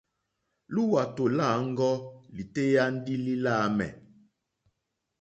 Lúwàtò lâŋɡɔ́ lítéyà ndí lí láǃámɛ̀.